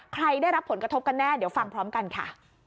ได้รับผลกระทบกันแน่เดี๋ยวฟังพร้อมกันค่ะ